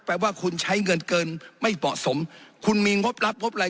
ว่าคุณใช้เงินเกินไม่เหมาะสมคุณมีงบรับงบอะไร